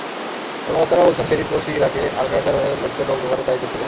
কর্মকর্তারা বলছেন, শেরিফ কোশি ইরাকে আল-কায়েদার হয়ে লড়তে লোক জোগাড়ের দায়িত্বে ছিলেন।